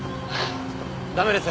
駄目です。